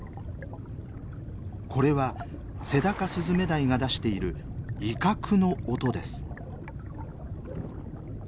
これはセダカスズメダイが出している威嚇の音です。